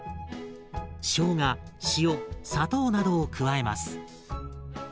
しょうが塩砂糖などを加えます。